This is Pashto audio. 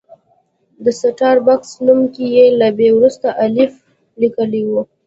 د سټار بکس نوم کې یې له بي وروسته الف لیکلی و.